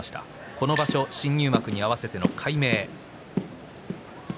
この新入幕に合わせての改名。